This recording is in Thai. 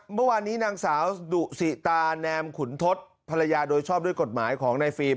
เมื่อวานนี้นางสาวดุสิตาแนมขุนทศภรรยาโดยชอบด้วยกฎหมายของในฟิล์ม